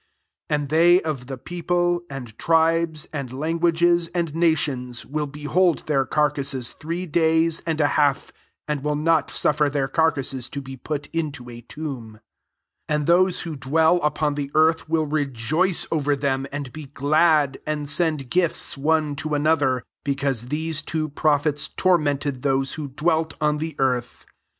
9 And bey of the people, and tribes, tnd languages, and nations, ^ill behold their carcases three lays and a half, and will not ufifer their carcases to be put Qto a tomb. 10 And those wftfydwell upon he earth will rejoice over them, jid be glad, and send gifts one another; because these two ►rophets tormented those who 1 welt on the earth."